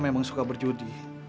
mereka memang suka berjudi